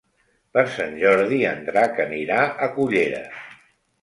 Per Sant Jordi en Drac anirà a Cullera.